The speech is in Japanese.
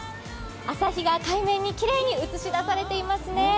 朝日が海面にきれいに映し出されていますね。